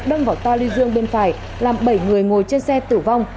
đâm vào toa lưu dương bên phải làm bảy người ngồi trên xe tử vong